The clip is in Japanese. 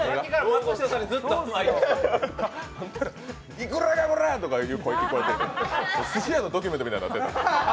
いくらこらっとか声が聞こえて寿司屋のドキュメントみたいになってる。